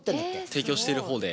提供している方で。